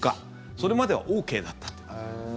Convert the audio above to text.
それまではＯＫだったと。